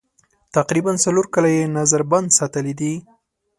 تقریباً څلور کاله یې نظر بند ساتلي دي.